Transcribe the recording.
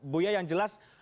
buya yang jelas